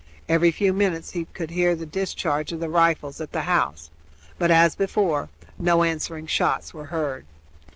Every few minutes he could hear the discharge of the rifles at the house; but, as before, no answering shots were heard.